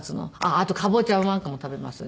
あとカボチャなんかも食べますね。